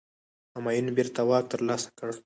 همایون بیرته واک ترلاسه کړ.